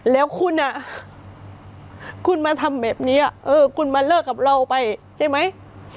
แล้วคุณคุณมาทำแบบนี้คุณมาเลิกกับเราไปใช่ไหม